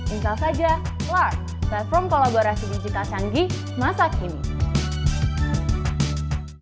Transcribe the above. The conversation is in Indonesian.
install saja lark platform kolaborasi digital canggih masa kini